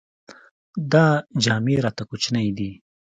دا جامې راته کوچنۍ دي.